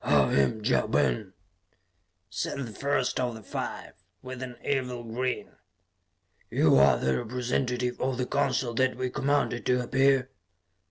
"I am Ja Ben," said the first of the five, with an evil grin. "You are the representative of the Council that we commanded to appear?"